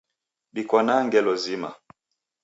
Dikwanaa ngelo zima